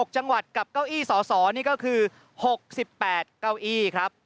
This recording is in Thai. ๖จังหวัดกับเก้าอี้สสนี่ก็คือ๖๘เก้าอี้ครับ